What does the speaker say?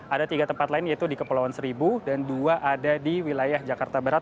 ada tiga tempat lain yaitu di kepulauan seribu dan dua ada di wilayah jakarta barat